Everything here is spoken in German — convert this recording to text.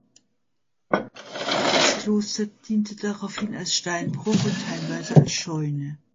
Das Kloster diente daraufhin als Steinbruch und teilweise als Scheune.